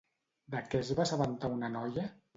De què es va assabentar una noia?